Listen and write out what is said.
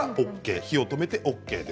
火を止めてＯＫです。